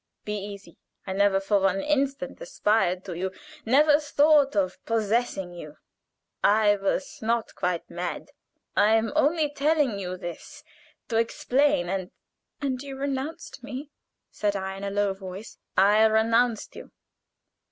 Be easy! I never for one instant aspired to you never thought of possessing you: I was not quite mad. I am only telling you this to explain, and " "And you renounced me?" said I in a low voice. "I renounced you."